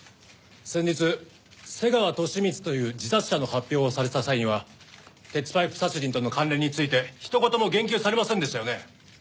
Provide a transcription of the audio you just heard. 先日瀬川利光という自殺者の発表をされた際には鉄パイプ殺人との関連について一言も言及されませんでしたよね？